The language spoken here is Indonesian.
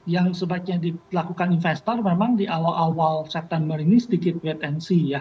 yang sebaiknya dilakukan investor memang di awal september ini sedikit wide nc ya